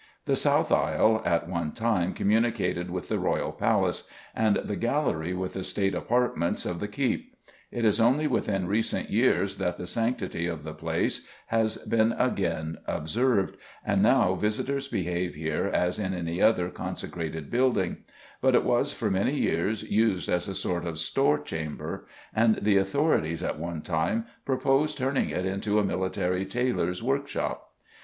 The south aisle at one time communicated with the royal palace, and the gallery with the State apartments of the keep. It is only within recent years that the sanctity of the place has been again observed, and now visitors behave here as in any other consecrated building; but it was for many years used as a sort of store chamber, and the authorities at one time proposed turning it into a military tailors' workshop!